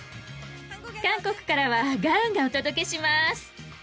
韓国からはガウンがお届けします。